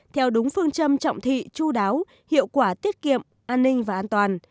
theo đúng phương châm trọng thị chú đáo hiệu quả tiết kiệm an ninh và an toàn